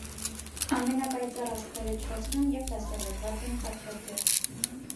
Ամենապայծառ աստղերը չորսն են և դասավորված են խաչաձև։